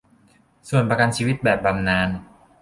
ส่วนประกันชีวิตแบบบำนาญ